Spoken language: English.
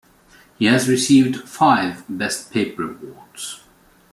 He has received five Best Paper Awards.